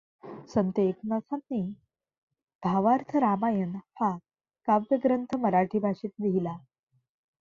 संत एकना्थांनी भावार्थ रामायण हा काव्यग्रंथ मराठी भाषेत लिहिला.